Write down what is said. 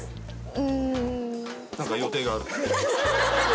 うーん何か予定があるの？